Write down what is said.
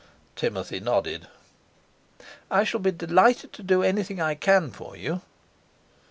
Timothy nodded. "I shall be delighted to do anything I can for you."